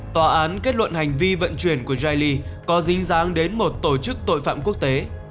tòa án kết luận hành vi vận chuyển của jile có dính dáng đến một tổ chức tội phạm quốc tế